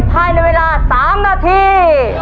ภายในเวลา๓นาที